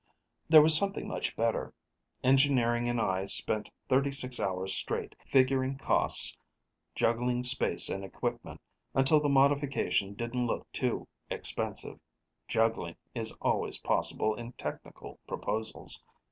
There was something much better; engineering and I spent 36 hours straight, figuring costs, juggling space and equipment, until the modification didn't look too expensive juggling is always possible in technical proposals.